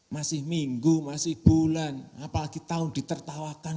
masih minggu masih bulan apalagi tahun ditertawakan